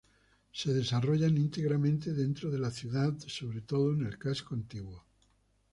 Se desarrollan íntegramente dentro de la ciudad, sobre todo en el casco antiguo.